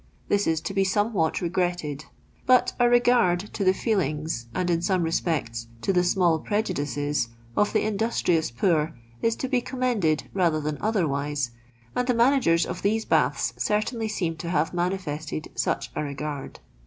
This is to be somewhat regretted ; but a regard to the feelings, and in some respecu to the small prejudices, of the industrious poor is to be commended rather than otherwise, and the managers of these baths certainly seem to have manifested such a regard.